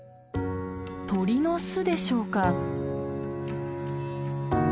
鳥の巣でしょうか。